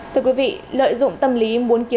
thưa quý vị